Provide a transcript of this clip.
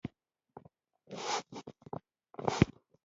نوي منبرونه هم رامنځته شوي دي.